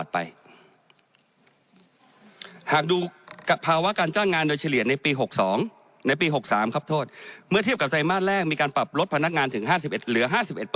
ภาวะการเจ้างานโดยเฉลี่ยในปี๖๓เมื่อเทียบกับไตรมาสแรกมีการปรับลดพนักงานถึงเหลือ๕๑